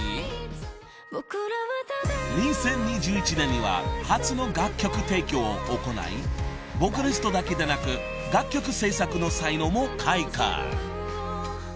［２０２１年には初の楽曲提供を行いボーカリストだけでなく楽曲制作の才能も開花］